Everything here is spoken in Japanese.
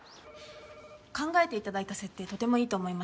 考えて頂いた設定とてもいいと思いました。